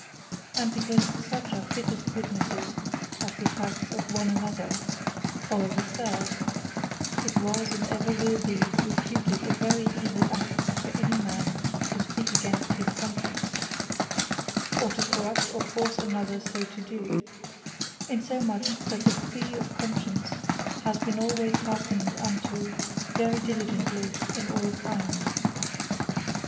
And because such are fittest witnesses of the facts of one another, or of a third, it was, and ever will be reputed a very Evill act, for any man to speak against his Conscience; or to corrupt or force another so to do: Insomuch that the plea of Conscience, has been always hearkened unto very diligently in all times.